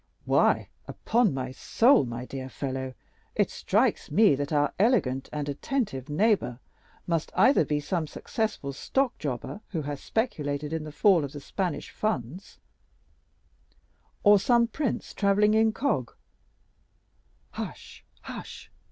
"Why, upon my soul, my dear fellow, it strikes me that our elegant and attentive neighbor must either be some successful stock jobber who has speculated in the fall of the Spanish funds, or some prince travelling incog." "Hush, hush!"